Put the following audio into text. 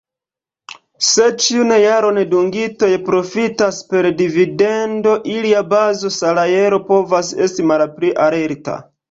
Se ĉiun jaron dungitoj profitas per dividendo, ilia baza salajro povas esti malpli alta.